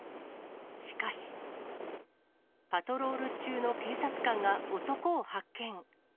しかし、パトロール中の警察官が男を発見。